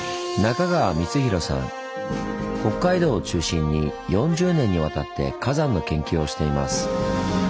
北海道を中心に４０年にわたって火山の研究をしています。